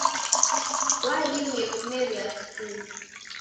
Wadimie kumeria skulu.